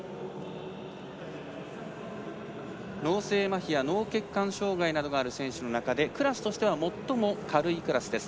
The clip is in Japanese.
脳性まひや脳血管障がいなどの障がいがある選手の中でクラスとしては最も軽いクラスです。